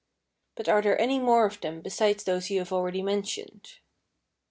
But are there any more of them besides those you have already mentioned?"